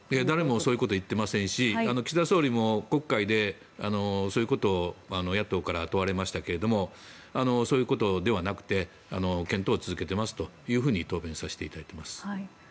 誰もそういうことは言ってませんし岸田総理も国会で野党から問われましたがそういうことではなくて検討を続けていますというふうに答弁させていただいております。